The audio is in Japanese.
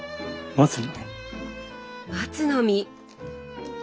松の実！